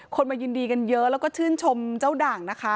มายินดีกันเยอะแล้วก็ชื่นชมเจ้าด่างนะคะ